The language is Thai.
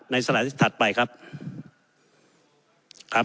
ในสไลด์ที่ถัดไปครับ